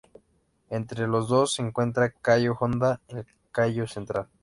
Entre los dos se encuentra Cayo Honda, el cayo central.